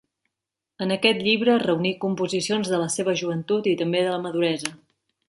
En aquest llibre reuní composicions de la seva joventut i també de la maduresa.